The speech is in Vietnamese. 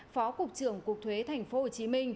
phó cục trưởng cục thuế tp hcm